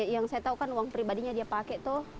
yang saya tahu kan uang pribadinya dia pakai tuh